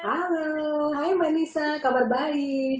halo hai mbak nisa kabar baik